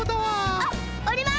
あっおります！